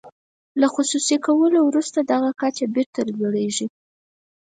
له خصوصي کولو وروسته دغه کچه بیرته لوړیږي.